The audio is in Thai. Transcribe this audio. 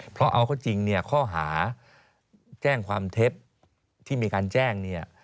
เพราะเอาเขาจริงเนี่ยข้อหาแจ้งความเท็จที่มีการแจ้งเนี่ย